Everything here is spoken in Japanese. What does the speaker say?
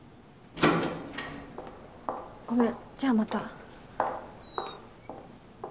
ごめんじゃあまた。